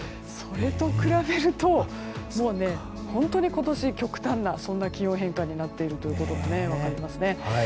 それと比べるともう本当に今年極端なそんな気温変化になっていることが分かりますね。